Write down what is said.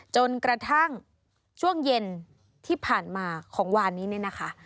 จนกระทั่งช่วงเย็นที่ผ่านมาของวานนี้เนี่ยนะคะ